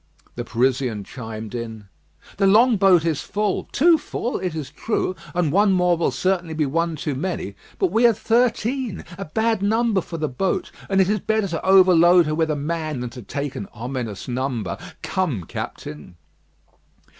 The Parisian chimed in: "The long boat is full too full, it is true, and one more will certainly be one too many; but we are thirteen a bad number for the boat, and it is better to overload her with a man than to take an ominous number. Come, Captain."